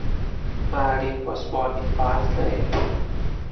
Malin was born in Barnsley.